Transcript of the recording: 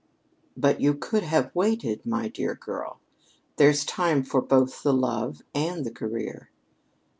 "But you could have waited, my dear girl. There's time for both the love and the career."